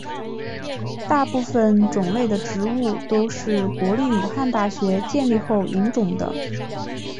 大部分种类的植物都是国立武汉大学建立后引种的。